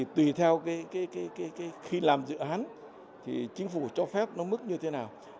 tùy theo khi làm dự án chính phủ cho phép mức như thế nào